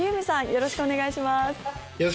よろしくお願いします。